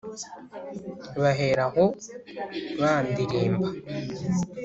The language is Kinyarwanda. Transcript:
Bahera aho bandirimba